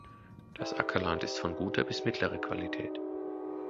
Das Ackerland ist von guter bis mittlerer Qualität.